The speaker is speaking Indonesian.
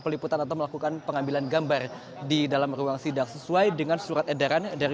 peliputan atau melakukan pengambilan gambar di dalam ruang sidang sesuai dengan surat edaran dari